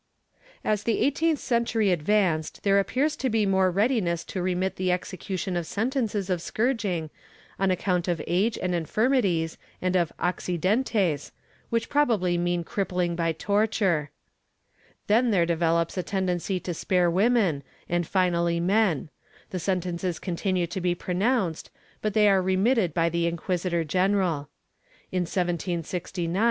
^ As the eighteenth century advanced there appears to be more readiness to remit the execution of sentences of scourging on account of age and infirmities and of " accidentes," which probably mean crippling by torture. Then there developes a tendency to spare women and finally men; the sentences continue to be pronounced, but they are remitted by the inquisitor general. In * See Appendix to Vol. II. ' Archive de Simancas, Hacienda, Leg.